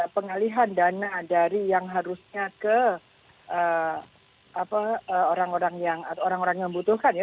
pengalihan dana dari yang harusnya ke orang orang yang membutuhkan ya